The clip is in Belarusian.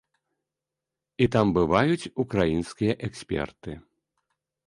І там бываюць украінскія эксперты.